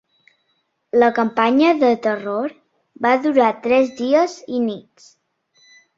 La campanya de terror va durar tres dies i nits.